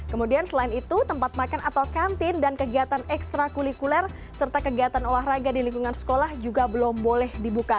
kemudian selain itu tempat makan atau kantin dan kegiatan ekstra kulikuler serta kegiatan olahraga di lingkungan sekolah juga belum boleh dibuka